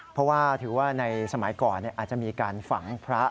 เพราะว่าถือว่าในสมัยก่อนอาจจะมีการฝังพระ